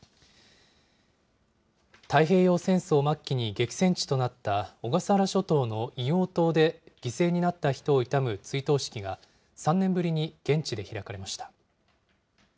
太平洋戦争末期に激戦地となった小笠原諸島の硫黄島で犠牲になった人を悼む追悼式が３年ぶりに現地で開かれました。